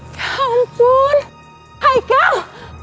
ya ampun hai kal